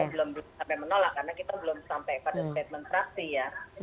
belum sampai menolak karena kita belum sampai pada statement fraksi ya